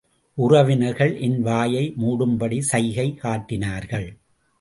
உறவினர்கள் என் வாயை மூடும்படி சைகை காட்டினார்கள்.